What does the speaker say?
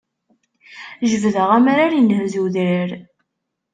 Jebdeɣ amrar, inhez udrar.